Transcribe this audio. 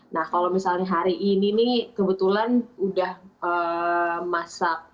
nah kalau misalnya hari ini nih kebetulan udah masak